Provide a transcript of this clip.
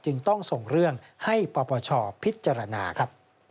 จึงต้องส่งเรื่องให้ประปัชชอพิจารณา